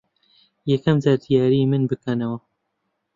یەکەم جار دیاریی من بکەنەوە.